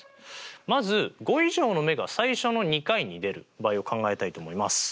まず５以上の目が最初の２回に出る場合を考えたいと思います。